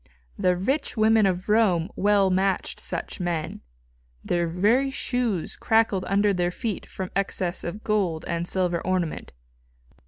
The rich women of Rome well matched such men. Their very shoes crackled under their feet from excess of gold and silver ornament.